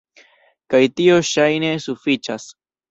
Kaj tio ŝajne sufiĉas.